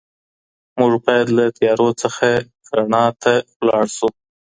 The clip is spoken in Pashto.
موږ بايد له تيارو څخه رڼا ته لاړ سو.